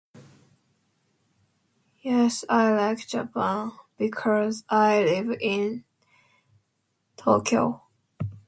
Yes, I like Japan because I live in Tokyo.